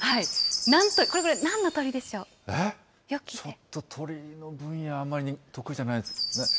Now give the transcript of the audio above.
ちょっと、鳥の声はあんまり得意じゃないんですけど。